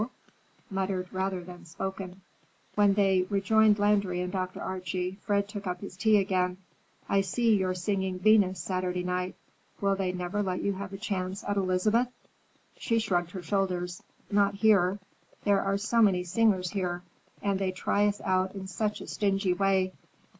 So?_ muttered rather than spoken. When they rejoined Landry and Dr. Archie, Fred took up his tea again. "I see you're singing Venus Saturday night. Will they never let you have a chance at Elizabeth?" She shrugged her shoulders. "Not here. There are so many singers here, and they try us out in such a stingy way.